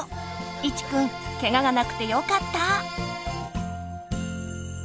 イチくんケガがなくてよかった。